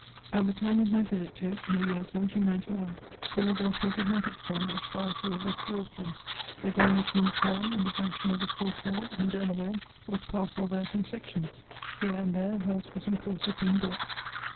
At the time of my visit to it (in the year 1791), Philadelphia did not extend as far as the river Schuylkill; the ground between the town and the junction of the Schuylkill and Delaware was parcelled out in sections — here and there a house was in course of being built.